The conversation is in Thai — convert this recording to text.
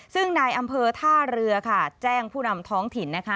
ซึ่งนายอำเภอท่าเรือค่ะแจ้งผู้นำท้องถิ่นนะคะ